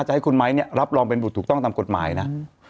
ให้คุณไม้เนี่ยรับรองเป็นบุตรถูกต้องตามกฎหมายนะ